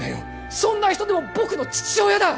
そんな人でも僕の父親だ！